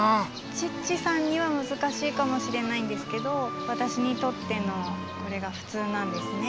チッチさんにはむずかしいかもしれないんですけどわたしにとってのこれがふつうなんですね。